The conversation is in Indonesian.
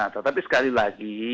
tetapi sekali lagi